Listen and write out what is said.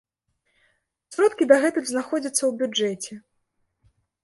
Сродкі дагэтуль знаходзяцца ў бюджэце.